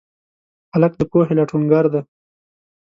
هلک د پوهې لټونګر دی.